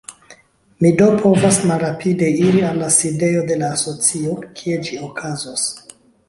Mi do povas malrapide iri al la sidejo de la asocio, kie ĝi okazos.